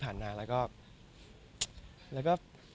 ก็มีไปคุยกับคนที่เป็นคนแต่งเพลงแนวนี้